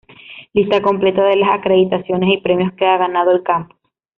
Lista completa de las acreditaciones y premios que ha ganado el campus.